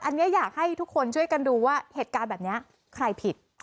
อันนี้อยากให้ทุกคนช่วยกันดูว่าเหตุการณ์แบบนี้ใครผิด